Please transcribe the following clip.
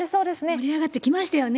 盛り上がってきましたよね。